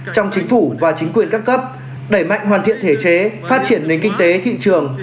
trong chính phủ và chính quyền các cấp đẩy mạnh hoàn thiện thể chế phát triển nền kinh tế thị trường